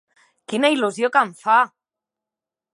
Quina il·lusió que em fa!